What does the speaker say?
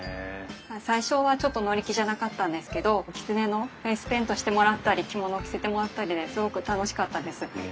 最初はちょっと乗り気じゃなかったんですけどきつねのフェイスペイントしてもらったり着物を着せてもらったりですごく楽しかったです。